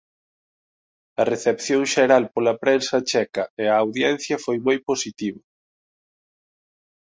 A recepción xeral pola prensa checa e a audiencia foi moi positiva.